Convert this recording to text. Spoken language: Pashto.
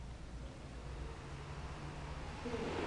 ماشومانو ته د طبیعت ساتلو درس ورکړئ.